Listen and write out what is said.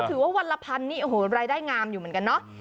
ก็ถือว่าวันละพันรายได้งามอยู่เหมือนกันเนาะ